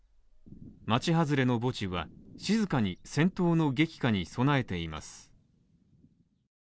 町外れの墓地は静かに戦闘の激化に備えています。